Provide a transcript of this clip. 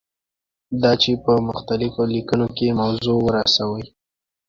دا چې په مختلفو لیکنو کې موضوع ورسوي.